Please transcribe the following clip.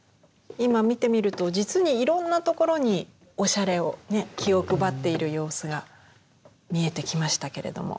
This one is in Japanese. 今見てみると実にいろんなところにおしゃれをね気を配っている様子が見えてきましたけれども。